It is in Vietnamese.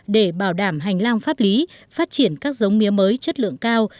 để bảo đảm hành lang pháp lý phát triển các giống mía mới chất lượng cao